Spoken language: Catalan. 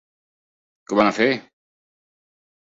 Què van a fer?